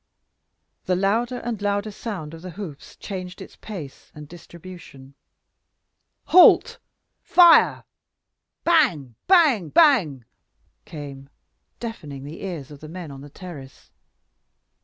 The louder and louder sound of the hoofs changed its pace and distribution. "Halt! Fire!" Bang! bang! bang! came deafening the ears of the men on the terrace.